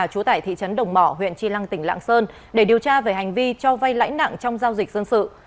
trú tại thị trấn đồng mỏ huyện tri lăng tỉnh lạng sơn để điều tra về hành vi cho vay lãnh nặng trong giao dịch dân sự